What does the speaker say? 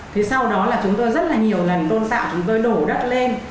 thế sau đó là chúng tôi rất là nhiều lần tôn tạo chúng tôi đổ đất lên